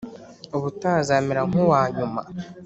ubutaha azamera nkuwanyuma